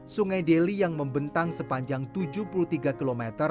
sungai deli yang membentang sepanjang tujuh puluh tiga km